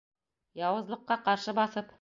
Яуызлыҡҡа ҡаршы баҫып